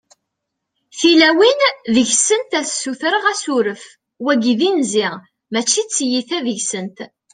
tilawin deg-sent ad ssutreɣ asuref, wagi d inzi mačči t-tiyita deg-sent